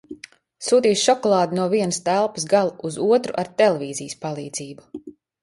Sūtīšu šokolādi no viena telpas gala uz otru ar televīzijas palīdzību!